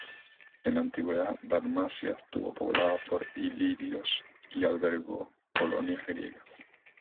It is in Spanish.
En la antigüedad Dalmacia estuvo poblada por ilirios y albergó colonias griegas.